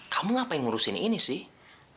kamu ngapain ngurusin ini sih